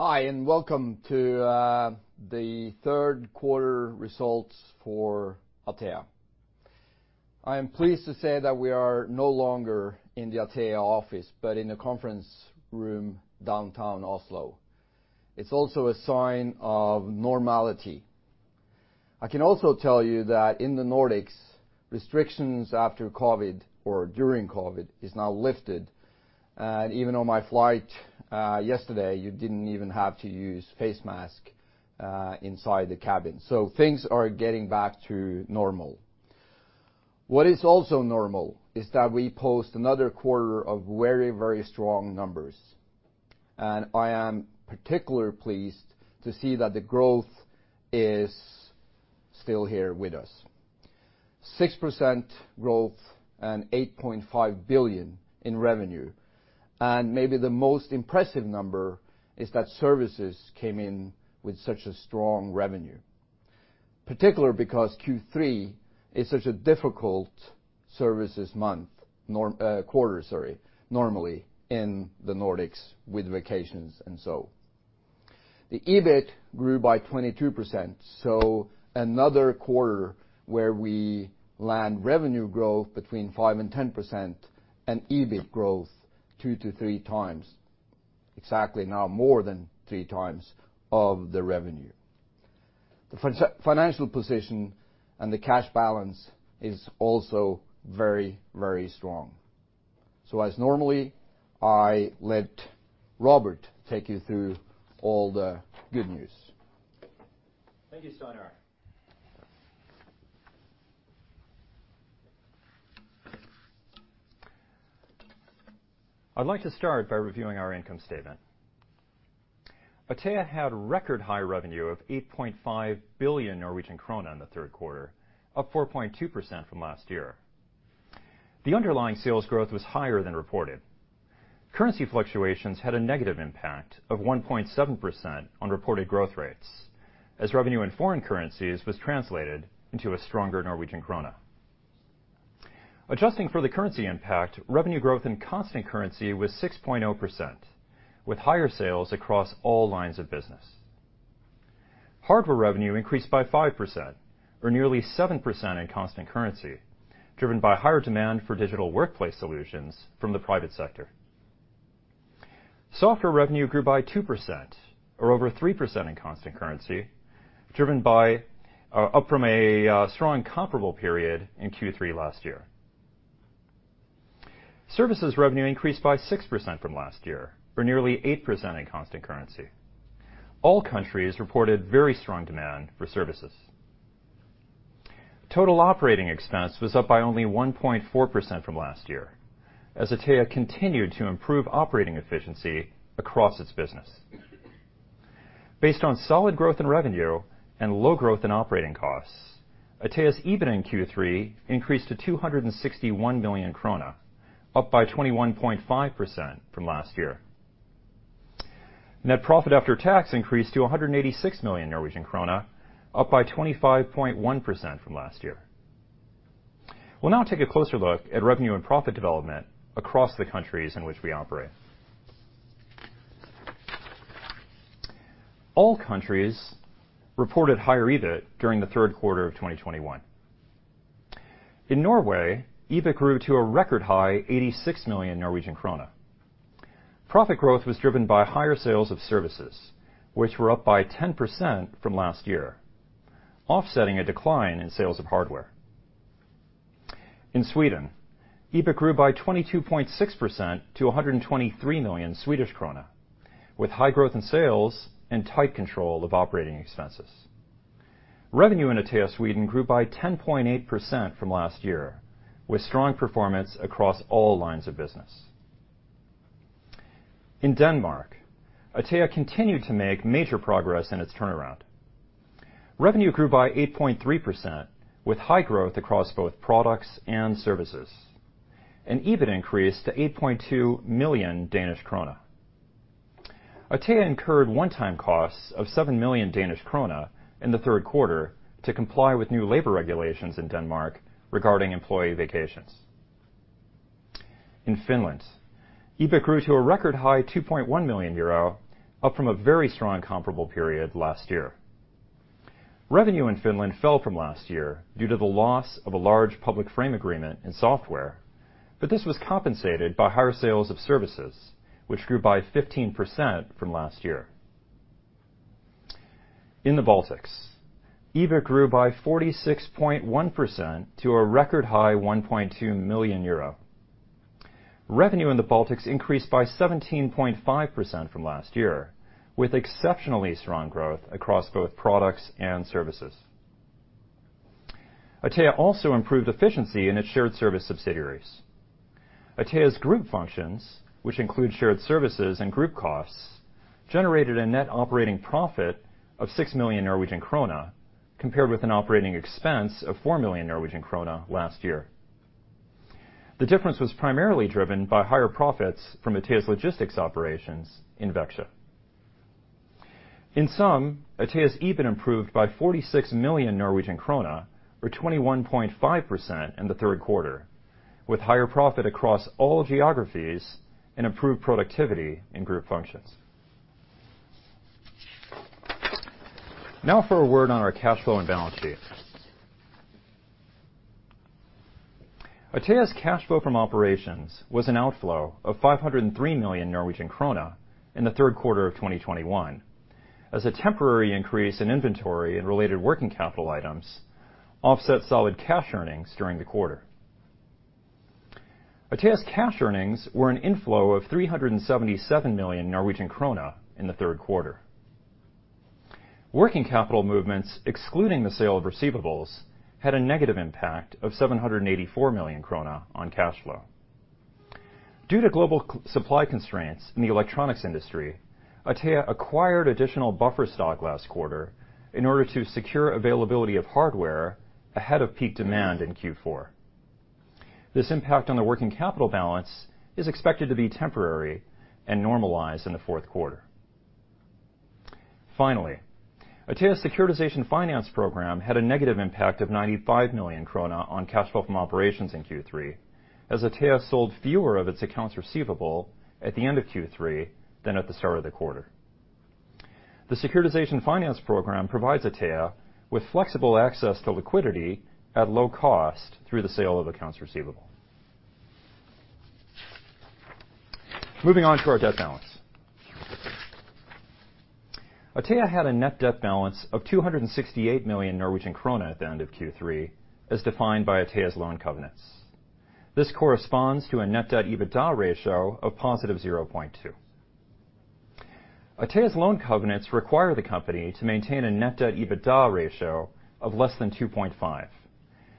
Hi, Welcome to the third quarter results for Atea. I am pleased to say that we are no longer in the Atea office, but in a conference room downtown Oslo. It's also a sign of normality. I can also tell you that in the Nordics, restrictions after COVID, or during COVID, is now lifted. Even on my flight yesterday, you didn't even have to use face mask inside the cabin. Things are getting back to normal. What is also normal is that we post another quarter of very, very strong numbers, and I am particularly pleased to see that the growth is still here with us. 6% growth and 8.5 billion in revenue. Maybe the most impressive number is that services came in with such a strong revenue, particularly because Q3 is such a difficult services month, quarter, sorry, normally in the Nordics with vacations and so. The EBIT grew by 22%, another quarter where we land revenue growth between 5% and 10%, and EBIT growth two to three times, exactly now more than three times of the revenue. The financial position and the cash balance is also very, very strong. As normally, I let Robert take you through all the good news. Thank you, Steinar. I'd like to start by reviewing our income statement. Atea had record high revenue of 8.5 billion Norwegian krone in the third quarter, up 4.2% from last year. The underlying sales growth was higher than reported. Currency fluctuations had a negative impact of 1.7% on reported growth rates, as revenue in foreign currencies was translated into a stronger Norwegian krone. Adjusting for the currency impact, revenue growth in constant currency was 6.0%, with higher sales across all lines of business. Hardware revenue increased by 5%, or nearly 7% in constant currency, driven by higher demand for digital workplace solutions from the private sector. Software revenue grew by 2%, or over 3% in constant currency, up from a strong comparable period in Q3 last year. Services revenue increased by 6% from last year, or nearly 8% in constant currency. All countries reported very strong demand for services. Total operating expense was up by only 1.4% from last year, as Atea continued to improve operating efficiency across its business. Based on solid growth in revenue and low growth in operating costs, Atea's EBIT in Q3 increased to 261 million krone, up by 21.5% from last year. Net profit after tax increased to 186 million Norwegian krone, up by 25.1% from last year. We'll now take a closer look at revenue and profit development across the countries in which we operate. All countries reported higher EBIT during the third quarter of 2021. In Norway, EBIT grew to a record high 86 million Norwegian krone. Profit growth was driven by higher sales of services, which were up by 10% from last year, offsetting a decline in sales of hardware. In Sweden, EBIT grew by 22.6% to 123 million Swedish krona, with high growth in sales and tight control of operating expenses. Revenue in Atea Sweden grew by 10.8% from last year, with strong performance across all lines of business. In Denmark, Atea continued to make major progress in its turnaround. Revenue grew by 8.3%, with high growth across both products and services, and EBIT increased to 8.2 million Danish krone. Atea incurred one-time costs of 7 million Danish krone in the third quarter to comply with new labor regulations in Denmark regarding employee vacations. In Finland, EBIT grew to a record high 2.1 million euro, up from a very strong comparable period last year. Revenue in Finland fell from last year due to the loss of a large public frame agreement in software, but this was compensated by higher sales of services, which grew by 15% from last year. In the Baltics, EBIT grew by 46.1% to a record high 1.2 million euro. Revenue in the Baltics increased by 17.5% from last year, with exceptionally strong growth across both products and services. Atea also improved efficiency in its shared service subsidiaries. Atea's group functions, which include shared services and group costs, generated a net operating profit of 6 million Norwegian krone, compared with an operating expense of 4 million Norwegian krone last year. The difference was primarily driven by higher profits from Atea's logistics operations in Växjö. In sum, Atea's EBIT improved by 46 million Norwegian krone, or 21.5% in the third quarter, with higher profit across all geographies and improved productivity in group functions. For a word on our cash flow and balance sheet. Atea's cash flow from operations was an outflow of 503 million Norwegian krone in the third quarter of 2021. As a temporary increase in inventory and related working capital items offset solid cash earnings during the quarter. Atea's cash earnings were an inflow of 377 million Norwegian krone in the third quarter. Working capital movements, excluding the sale of receivables, had a negative impact of 784 million krone on cash flow. Due to global supply constraints in the electronics industry, Atea acquired additional buffer stock last quarter in order to secure availability of hardware ahead of peak demand in Q4. This impact on the working capital balance is expected to be temporary and normalize in the fourth quarter. Finally, Atea's securitization finance program had a negative impact of 95 million krone on cash flow from operations in Q3, as Atea sold fewer of its accounts receivable at the end of Q3 than at the start of the quarter. The securitization finance program provides Atea with flexible access to liquidity at low cost through the sale of accounts receivable. Moving on to our debt balance. Atea had a net debt balance of 268 million Norwegian krone at the end of Q3, as defined by Atea's loan covenants. This corresponds to a net debt EBITDA ratio of +0.2. Atea's loan covenants require the company to maintain a net debt EBITDA ratio of less than 2.5,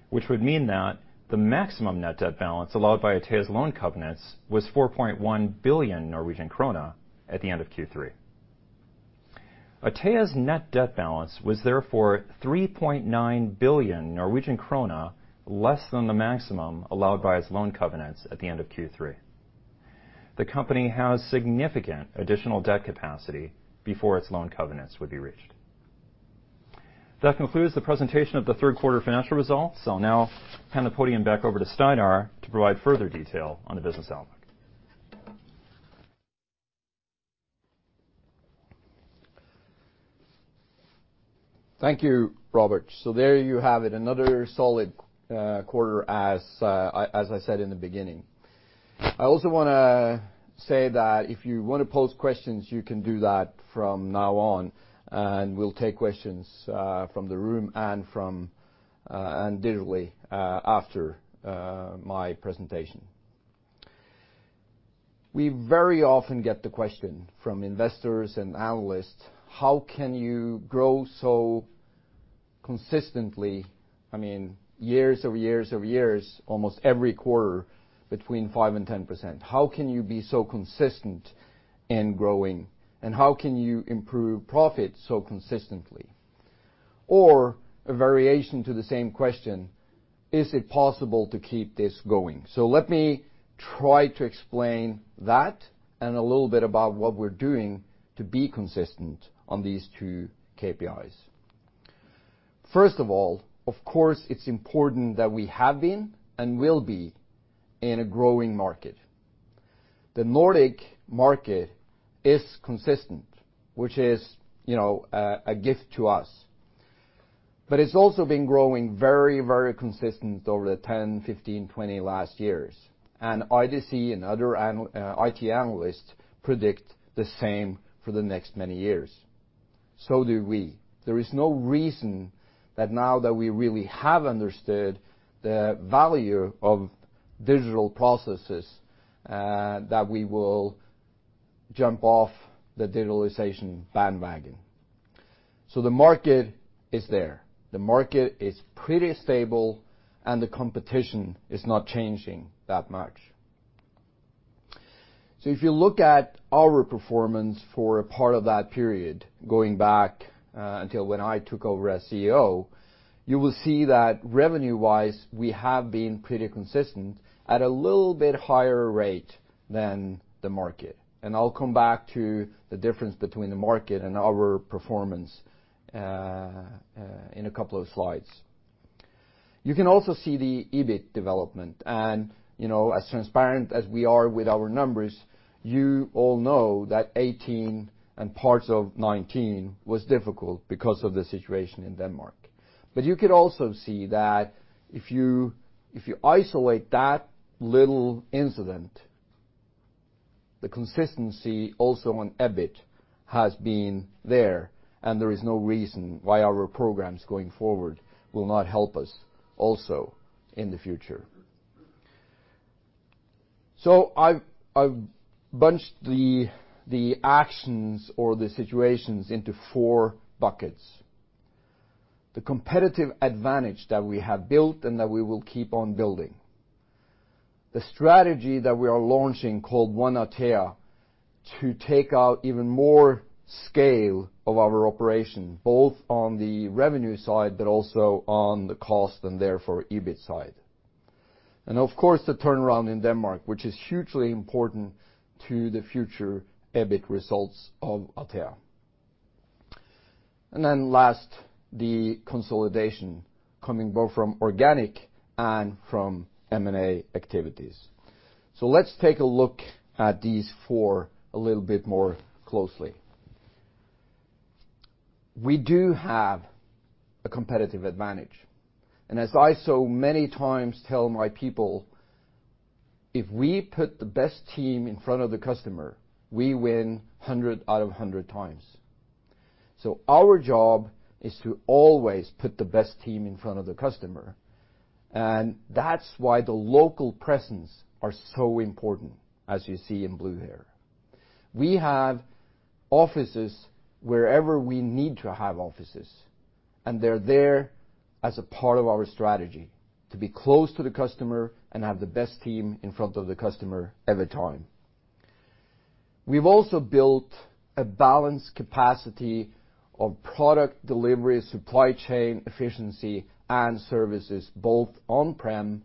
which would mean that the maximum net debt balance allowed by Atea's loan covenants was 4.1 billion Norwegian krone at the end of Q3. Atea's net debt balance was therefore 3.9 billion Norwegian krone, less than the maximum allowed by its loan covenants at the end of Q3. The company has significant additional debt capacity before its loan covenants would be reached. That concludes the presentation of the third quarter financial results. I'll now hand the podium back over to Steinar to provide further detail on the business outlook. Thank you, Robert. There you have it, another solid quarter, as I said in the beginning. I also want to say that if you want to pose questions, you can do that from now on, and we'll take questions from the room and digitally after my presentation. We very often get the question from investors and analysts, how can you grow so consistently, years over years over years, almost every quarter between 5% and 10%? How can you be so consistent in growing, and how can you improve profit so consistently? Or a variation to the same question, is it possible to keep this going? Let me try to explain that and a little bit about what we're doing to be consistent on these two KPIs. First of all, of course, it's important that we have been and will be in a growing market. The Nordic market is consistent, which is a gift to us. It's also been growing very, very consistent over the 10, 15, 20 last years, and IDC and other IT analysts predict the same for the next many years. Do we. There is no reason that now that we really have understood the value of digital processes, that we will jump off the digitalization bandwagon. The market is there. The market is pretty stable, and the competition is not changing that much. If you look at our performance for a part of that period, going back until when I took over as CEO, you will see that revenue-wise, we have been pretty consistent at a little bit higher rate than the market. I'll come back to the difference between the market and our performance in a couple of slides. You can also see the EBIT development. As transparent as we are with our numbers, you all know that 2018 and parts of 2019 was difficult because of the situation in Denmark. You could also see that if you isolate that little incident, the consistency also on EBIT has been there, and there is no reason why our programs going forward will not help us also in the future. I've bunched the actions or the situations into four buckets. The competitive advantage that we have built and that we will keep on building. The strategy that we are launching called One Atea to take out even more scale of our operation, both on the revenue side, but also on the cost and therefore EBIT side. Of course, the turnaround in Denmark, which is hugely important to the future EBIT results of Atea. Last, the consolidation coming both from organic and from M&A activities. Let's take a look at these four a little bit more closely. We do have a competitive advantage, and as I so many times tell my people, if we put the best team in front of the customer, we win 100 out of 100 times. Our job is to always put the best team in front of the customer, and that's why the local presence are so important, as you see in blue there. We have offices wherever we need to have offices, and they're there as a part of our strategy to be close to the customer and have the best team in front of the customer every time. We've also built a balanced capacity of product delivery, supply chain efficiency, and services, both on-prem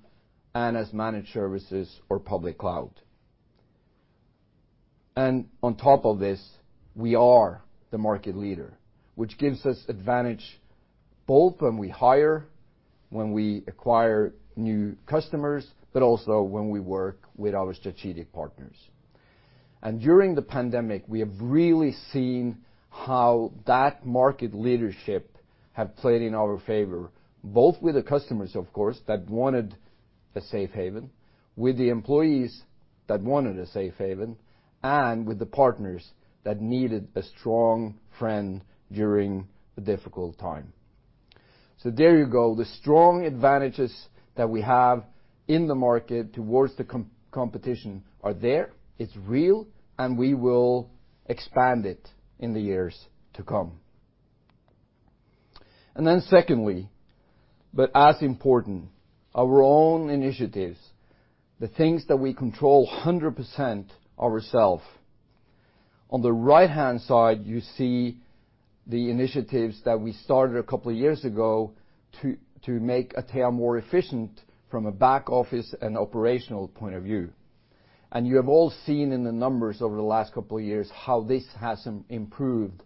and as managed services or public cloud. On top of this, we are the market leader, which gives us advantage both when we hire, when we acquire new customers, but also when we work with our strategic partners. During the pandemic, we have really seen how that market leadership have played in our favor, both with the customers, of course, that wanted a safe haven, with the employees that wanted a safe haven, and with the partners that needed a strong friend during the difficult time. There you go. The strong advantages that we have in the market towards the competition are there, it's real, and we will expand it in the years to come. Secondly, but as important, our own initiatives, the things that we control 100% ourselves. On the right-hand side, you see the initiatives that we started a couple of years ago to make Atea more efficient from a back office and operational point of view. You have all seen in the numbers over the last couple of years how this has improved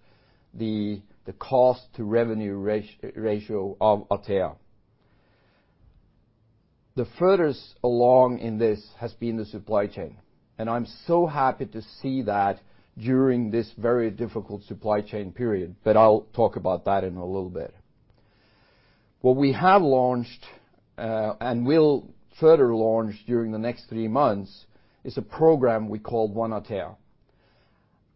the cost-to-revenue ratio of Atea. The furthest along in this has been the supply chain, and I'm so happy to see that during this very difficult supply chain period, but I'll talk about that in a little bit. What we have launched, and will further launch during the next three months, is a program we call One Atea.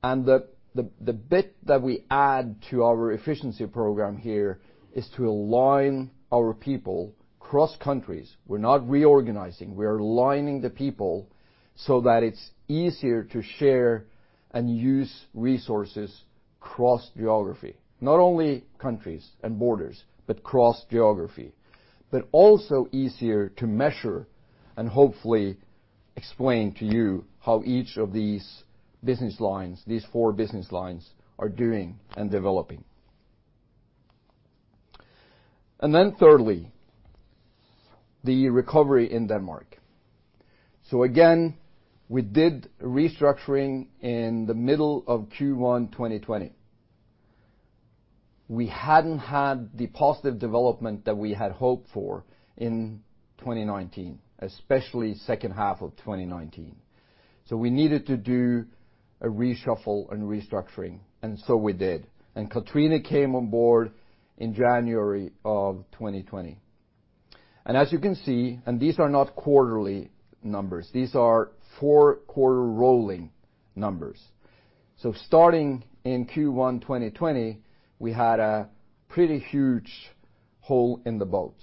The bit that we add to our efficiency program here is to align our people cross-countries. We're not reorganizing, we are aligning the people so that it's easier to share and use resources cross-geography. Not only countries and borders, but cross-geography. Also easier to measure and hopefully explain to you how each of these business lines, these four business lines, are doing and developing. Then thirdly, the recovery in Denmark. Again, we did restructuring in the middle of Q1 2020. We hadn't had the positive development that we had hoped for in 2019, especially second half of 2019, so we needed to do a reshuffle and restructuring, and so we did, and Kathrine came on board in January of 2020. As you can see, and these are not quarterly numbers, these are four-quarter rolling numbers. Starting in Q1 2020, we had a pretty huge hole in the boat,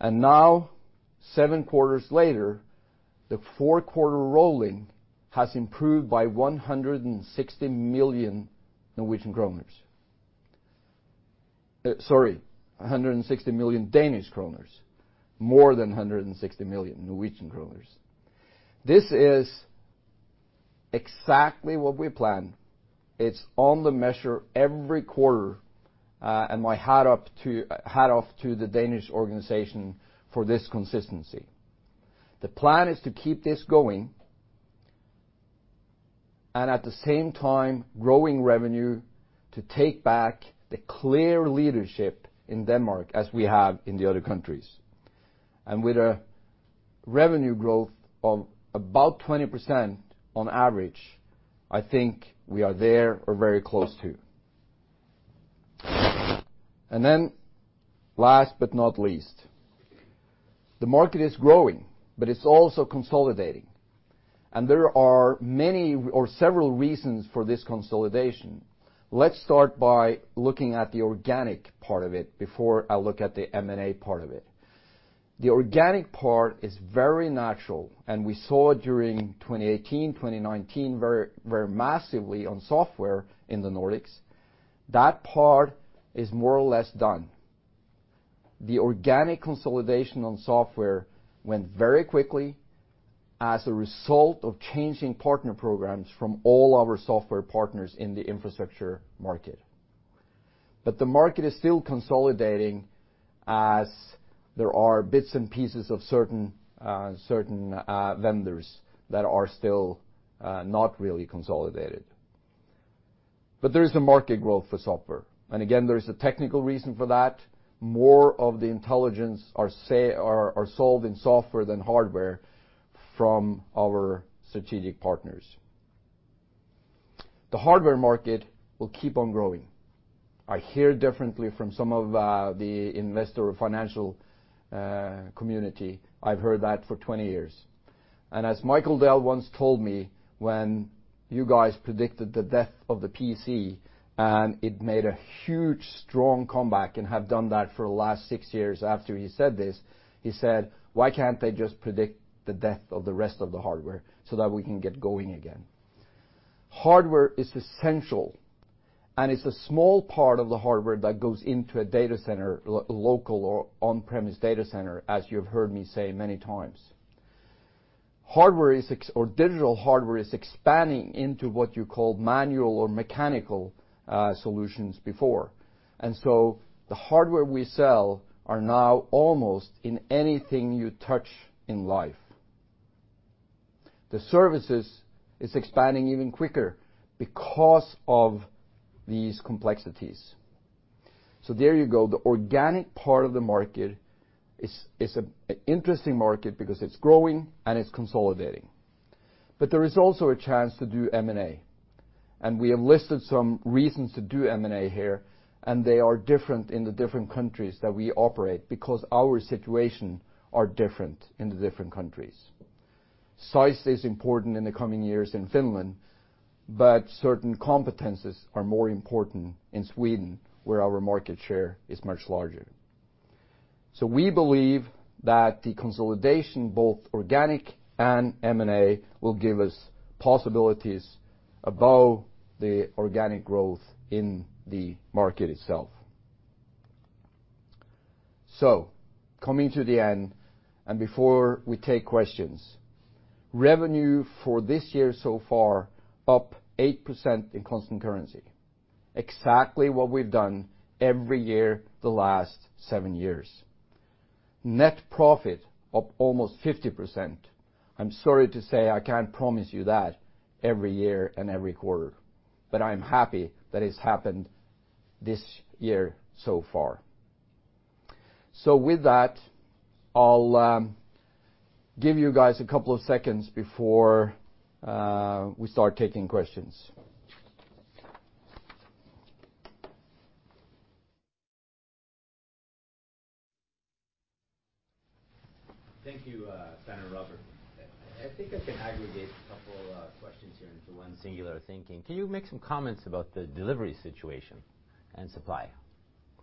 and now, seven quarters later, the four-quarter rolling has improved by 160 million Norwegian kroner. Sorry, 160 million Danish kroner. More than 160 million Norwegian kroner. This is exactly what we planned. It's on the measure every quarter, and my hat off to the Danish organization for this consistency. The plan is to keep this going and at the same time growing revenue to take back the clear leadership in Denmark as we have in the other countries. With a revenue growth of about 20% on average, I think we are there or very close to. Last but not least, the market is growing, but it's also consolidating, and there are many or several reasons for this consolidation. Let's start by looking at the organic part of it before I look at the M&A part of it. The organic part is very natural, and we saw during 2018, 2019 very massively on software in the Nordics. That part is more or less done. The organic consolidation on software went very quickly as a result of changing partner programs from all our software partners in the infrastructure market. The market is still consolidating as there are bits and pieces of certain vendors that are still not really consolidated. There is a market growth for software. Again, there is a technical reason for that. More of the intelligence are sold in software than hardware from our strategic partners. The hardware market will keep on growing. I hear differently from some of the investor financial community. I've heard that for 20 years. As Michael Dell once told me, when you guys predicted the death of the PC, and it made a huge, strong comeback and have done that for the last six years after he said this, he said, "Why can't they just predict the death of the rest of the hardware so that we can get going again?" Hardware is essential, and it's a small part of the hardware that goes into a local or on-premise data center, as you've heard me say many times. Digital hardware is expanding into what you called manual or mechanical solutions before. The hardware we sell are now almost in anything you touch in life. The services is expanding even quicker because of these complexities. There you go. The organic part of the market is an interesting market because it's growing and it's consolidating. There is also a chance to do M&A, and we have listed some reasons to do M&A here, and they are different in the different countries that we operate, because our situation are different in the different countries. Size is important in the coming years in Finland, but certain competencies are more important in Sweden, where our market share is much larger. We believe that the consolidation, both organic and M&A, will give us possibilities above the organic growth in the market itself. Coming to the end, and before we take questions, revenue for this year so far, up 8% in constant currency. Exactly what we've done every year, the last seven years. Net profit up almost 50%. I'm sorry to say I can't promise you that every year and every quarter, but I'm happy that it's happened this year so far. With that, I'll give you guys a couple of seconds before we start taking questions. Thank you, Steinar and Robert. I think I can aggregate a couple of questions here into one singular thinking. Can you make some comments about the delivery situation and supply?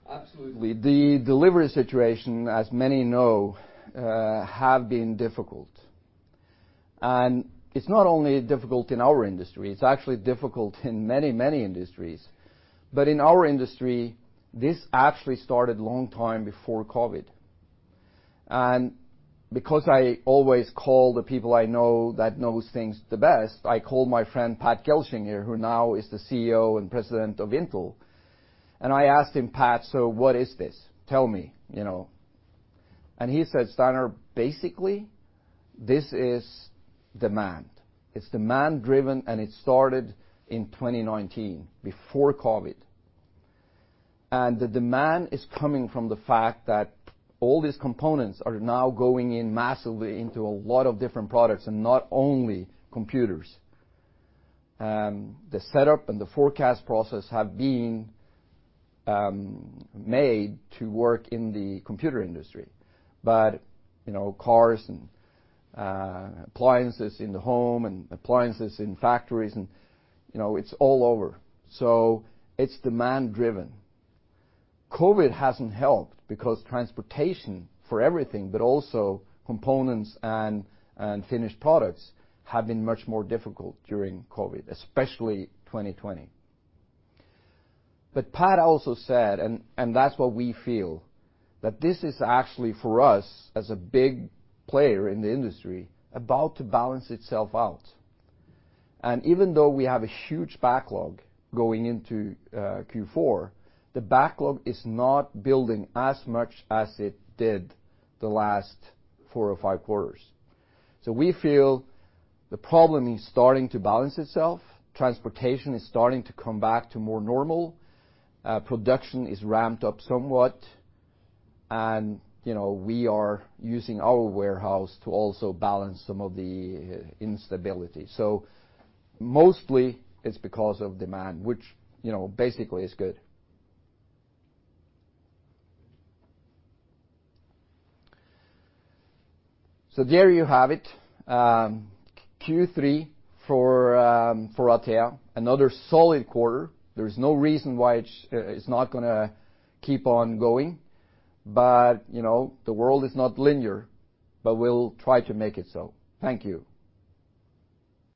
Absolutely. The delivery situation, as many know, have been difficult. It's not only difficult in our industry, it's actually difficult in many industries. In our industry, this actually started long time before COVID. Because I always call the people I know that knows things the best, I call my friend Pat Gelsinger, who now is the CEO and President of Intel, and I asked him, "Pat, What is this? Tell me." He said, "Steinar, basically, this is demand. It's demand-driven, and it started in 2019, before COVID." The demand is coming from the fact that all these components are now going in massively into a lot of different products and not only computers. The setup and the forecast process have been made to work in the computer industry, but cars and appliances in the home and appliances in factories, and it's all over. It's demand-driven. COVID hasn't helped because transportation for everything, but also components and finished products, have been much more difficult during COVID, especially 2020. Pat also said, and that's what we feel, that this is actually for us, as a big player in the industry, about to balance itself out. Even though we have a huge backlog going into Q4, the backlog is not building as much as it did the last four or five quarters. We feel the problem is starting to balance itself. Transportation is starting to come back to more normal. Production is ramped up somewhat, and we are using our warehouse to also balance some of the instability. Mostly it's because of demand, which basically is good. There you have it. Q3 for Atea, another solid quarter. There's no reason why it's not going to keep on going. The world is not linear, but we'll try to make it so. Thank you.